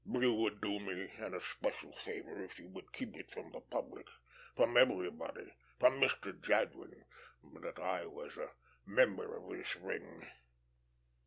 "You would do me an especial favor if you would keep it from the public, from everybody, from Mr. Jadwin, that I was a member of this ring."